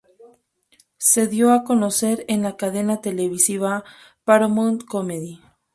Se dio a conocer en la cadena televisiva Paramount Comedy.